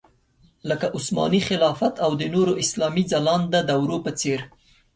لکه عثماني خلافت او د نورو اسلامي ځلانده دورو په څېر.